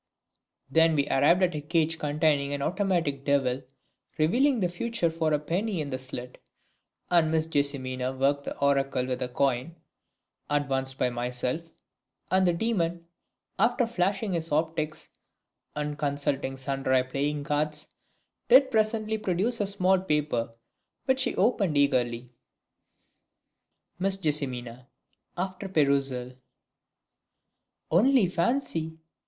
Then we arrived at a cage containing an automatic Devil revealing the future for a penny in the slit, and Miss JESSIMINA worked the oracle with a coin advanced by myself, and the demon, after flashing his optics and consulting sundry playing cards, did presently produce a small paper which she opened eagerly. Miss Jess. (after perusal). Only fancy!